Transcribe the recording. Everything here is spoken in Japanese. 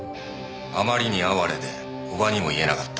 あまりに哀れで叔母にも言えなかった。